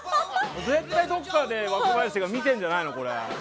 絶対どこかで若林が見てるんじゃないの。